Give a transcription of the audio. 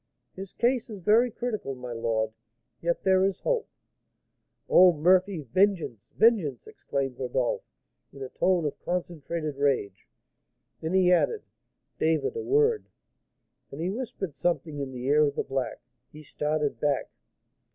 "His case is very critical, my lord; yet there is hope." "Oh, Murphy! vengeance! vengeance!" exclaimed Rodolph, in a tone of concentrated rage. Then he added, "David, a word " And he whispered something in the ear of the black. He started back.